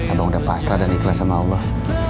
abang udah pasrah dan ikhlas sama allah